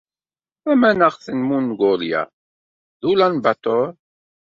Tamaneɣt n Mungulya d Ulan Bator.